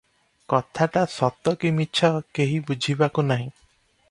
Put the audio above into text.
କଥାଟା ସତ କି ମିଛ, କେହି ବୁଝିବାକୁ ନାହିଁ ।